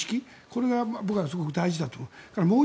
これが僕はすごく大事だと思う。